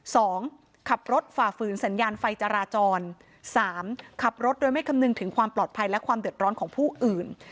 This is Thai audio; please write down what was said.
สองขับรถฝ่าฝืนสัญญาณไฟจราจรสามขับรถโดยไม่คำนึงถึงความปลอดภัยและความเดือดร้อนของผู้อื่น